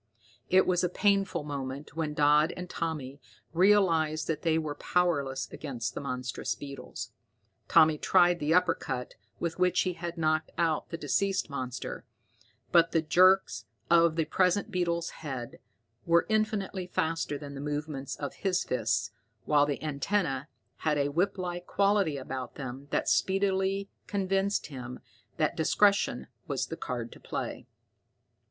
It was a painful moment when Dodd and Tommy realized that they were powerless against the monstrous beetles. Tommy tried the uppercut with which he had knocked out the deceased monster, but the quick jerks of the present beetle's head were infinitely faster than the movements of his fists, while the antenna had a whiplike quality about them that speedily convinced him that discretion was the card to play.